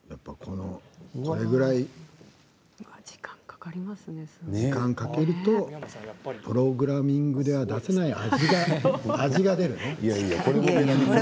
これくらい時間をかけるとプログラミングでは出せない味が出るよ。